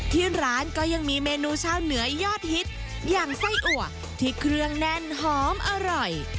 ที่ร้านก็ยังมีเมนูชาวเหนือยอดฮิตอย่างไส้อัวที่เครื่องแน่นหอมอร่อย